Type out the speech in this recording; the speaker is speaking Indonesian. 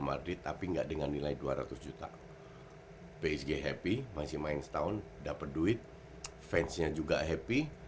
madrid tapi enggak dengan nilai dua ratus juta psg happy masih main setahun dapat duit fansnya juga happy